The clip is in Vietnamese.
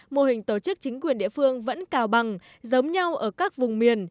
mô hình tổ chức chính quyền địa phương vẫn cào bằng giống nhau ở các vùng miền